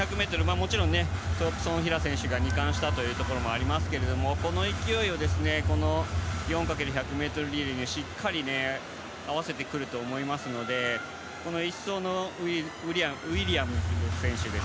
もちろんトンプソン・ヒラ選手が２冠したこともありますがこの勢いを４×１００ｍリレーにしっかり合わせてくると思いますので１走のウィリアムズ選手